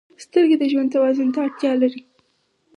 • سترګې د ژوند توازن ته اړتیا لري.